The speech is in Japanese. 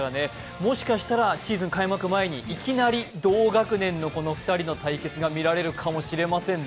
もしかしたらシーズン開幕前にいきなり同学年のこの２人の対決が見られるかもしれませんね。